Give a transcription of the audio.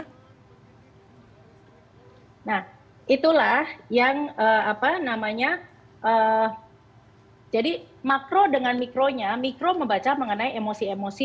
hai nah itulah yang apa namanya eh jadi makro dengan mikronya mikro membaca mengenai emosi emosi